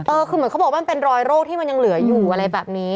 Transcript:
คือเหมือนเขาบอกว่ามันเป็นรอยโรคที่มันยังเหลืออยู่อะไรแบบนี้